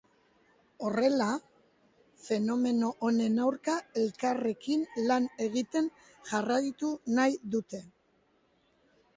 Horrela, fenomeno honen aurka elkarrekin lan egiten jarraitu nahi dute.